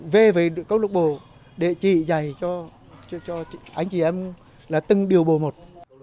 về về cấu lục bồ để chỉ dày cho anh chị em là từng điều bồ một